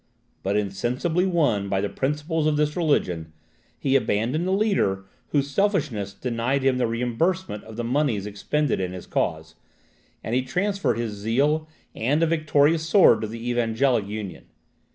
But insensibly won by the principles of this religion, he abandoned a leader whose selfishness denied him the reimbursement of the monies expended in his cause, and he transferred his zeal and a victorious sword to the Evangelic Union.